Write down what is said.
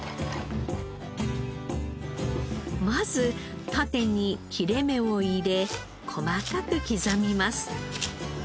まず縦に切れ目を入れ細かく刻みます。